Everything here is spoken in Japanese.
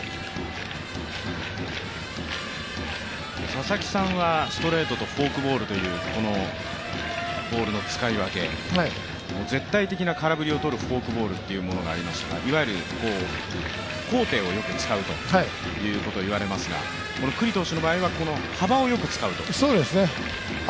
佐々木さんはストレートとフォークボールというこのボールの使い分け、絶対的な空振りをとるフォークボールというものがありましたが、いわゆる高低をよく使うということをいわれますが九里投手の場合は、幅をよく使うと。